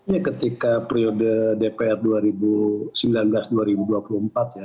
ya ketika periode dpr dua ribu sembilan belas dua ribu dua puluh empat ya